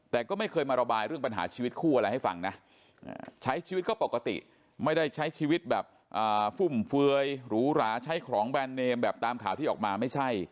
แต่ก็ไม่เคยมาระบายเรื่องปัญหาชีวิตคู่อะไรให้ฟังนะใช้ชีวิตก็ปกติไม่ได้ใช้ชีวิตแบบฟุ่มเฟือยหรูหราใช้ของแบรนดเนมแบบตามข่าวที่ออกมาไม่ใช่